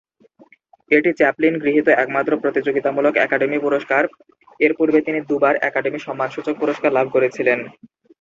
এটি চ্যাপলিন গৃহীত একমাত্র প্রতিযোগিতামূলক একাডেমি পুরস্কার, এর পূর্বে তিনি দুইবার একাডেমি সম্মানসূচক পুরস্কার লাভ করেছিলেন।